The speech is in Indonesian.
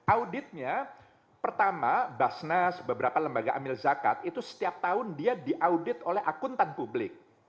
auditnya pertama basnas beberapa lembaga amil zakat itu setiap tahun dia diaudit oleh akuntan publik